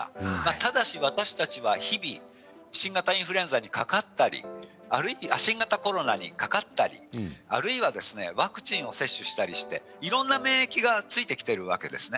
ただ私たちは日々インフルエンザにかかったり新型コロナにかかったりあるいはワクチンを接種したりしていろんな免疫がついてきているわけですね。